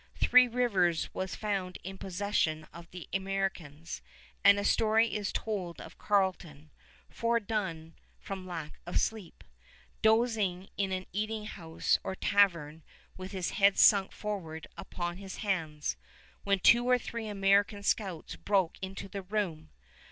Three Rivers was found in possession of the Americans, and a story is told of Carleton, foredone from lack of sleep, dozing in an eating house or tavern with his head sunk forward upon his hands, when two or three American scouts broke into the room.